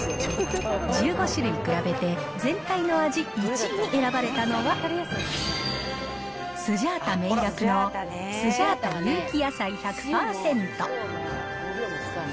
１５種類比べて全体の味１位に選ばれたのは、スジャータめいらくのスジャータ有機野菜１００％。